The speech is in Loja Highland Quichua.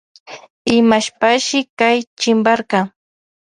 Imashpashi kay chimparka.